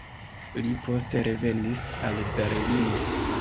Li poste revenis al Berlino.